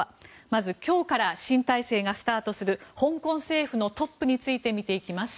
まず、今日から新体制がスタートする香港政府のトップについて見ていきます。